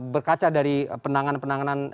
berkaca dari penanganan penanganan